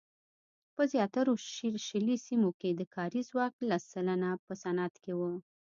په زیاترو شلي سیمو کې د کاري ځواک لس سلنه په صنعت کې وو.